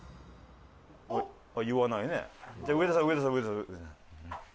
あっ言わないね。